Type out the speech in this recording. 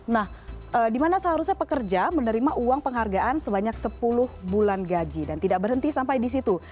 nah dimana seharusnya pekerja menerima uang penghargaan sebanyak sepuluh bulan gaji dan tidak berhenti sampai di situ